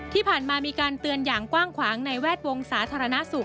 ที่ผ่านมามีการเตือนอย่างกว้างขวางในแวดวงสาธารณสุข